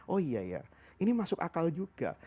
oh iya ya ini masuk akal juga